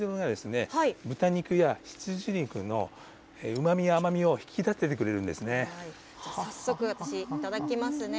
シードルが豚肉や羊肉のうまみや甘みを引き立ててくれるんで早速私、頂きますね。